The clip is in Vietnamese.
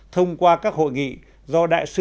thông qua các hội nghị